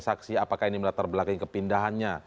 saksi apakah ini melatar belakang kepindahannya